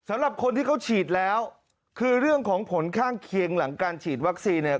สำหรับคนที่เขาฉีดแล้วคือเรื่องของผลข้างเคียงหลังการฉีดวัคซีนเนี่ย